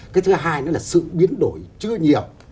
cái thứ hai nữa là sự biến đổi chưa nhiều